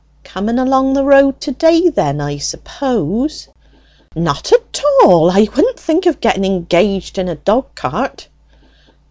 "Coming along the road to day then, I suppose?" "Not at all; I wouldn't think of getting engaged in a dog cart."